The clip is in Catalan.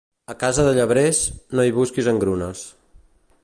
A casa de llebrers, no hi busques engrunes.